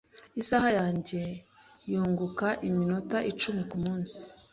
Isaha yanjye yunguka iminota icumi kumunsi.